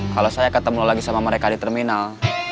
kalau saya ketemu lagi sama mereka di terminal